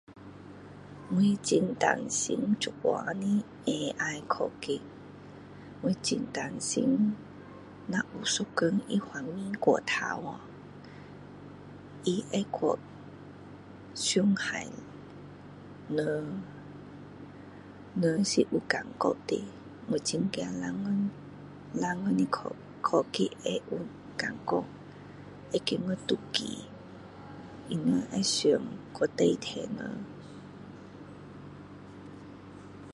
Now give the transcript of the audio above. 我很担心现在的AI 科技我很担心有一天给它发展过头去它会去伤害人人是有感觉的以后的科技会会有感觉会觉得妒忌觉得会想代替人